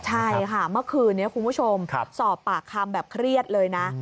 ใช่ค่ะเมื่อคืนนี้คุณผู้ชมสอบปากคำแบบเครียดเลยนะ